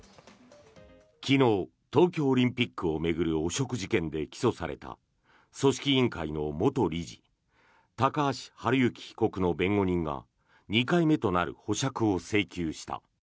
昨日、東京オリンピックを巡る汚職事件で起訴された組織委員会の元理事高橋治之被告の弁護人が２回目となる保釈を請求した。